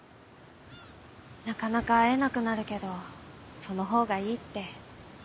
なかなか会えなくなるけどそのほうがいいって。